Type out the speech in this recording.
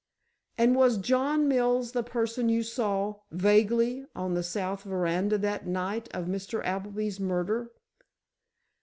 "And was John Mills the person you saw—vaguely—on the south veranda that night of Mr. Appleby's murder?"